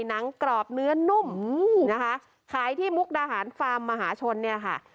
หนังกรอบเนื้อนุ่มนะคะขายที่มุกดาหารฟาร์มมหาชนเนี่ยค่ะ